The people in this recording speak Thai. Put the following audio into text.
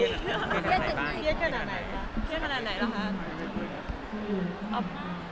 เทรดเนียนวันนี้หรอคะ